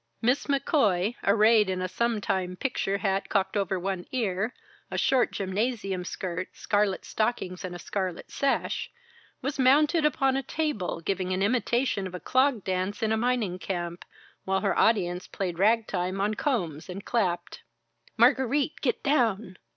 Miss McCoy, arrayed in a sometime picture hat cocked over one ear, a short gymnasium skirt, scarlet stockings and a scarlet sash, was mounted upon a table, giving an imitation of a clog dance in a mining camp, while her audience played rag time on combs and clapped. "Margarite! Get down!"